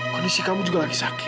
kondisi kamu juga lagi sakit